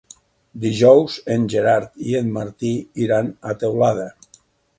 Dijous en Gerard i en Martí iran a Teulada.